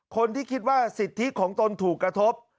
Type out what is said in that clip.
คนที่คิดว่าสิทธิของตนถูกกระทบ